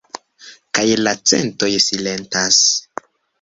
Kaj la centoj silentas.